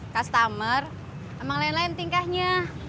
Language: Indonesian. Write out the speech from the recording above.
customer sama lain lain tingkahnya